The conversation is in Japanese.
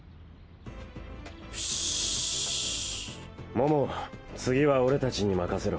桃次は俺たちに任せろ。